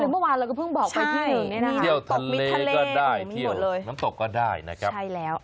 เมื่อวานเราก็เพิ่งบอกไปที่หนึ่งเนี่ยนะครับเที่ยวทะเลก็ได้เที่ยวน้ำตกก็ได้นะครับ